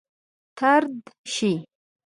طرد شي.